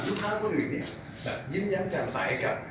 ลูกภาพคนอื่นเนี่ยยิ้มยั้งจังใสกับ